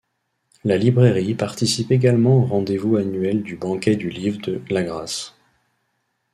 La librairie participe également au rendez-vous annuel du Banquet du livre de Lagrasse.